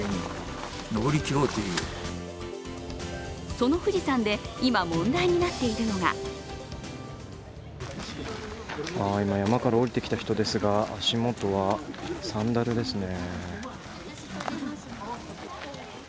その富士山で、今問題になっているのが今山から下りてきた人ですが足元はサンダルですね。